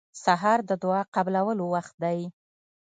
سهار د دعا قبولو وخت دی.